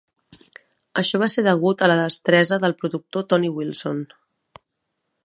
Això va ser degut a la destresa del productor Tony Wilson.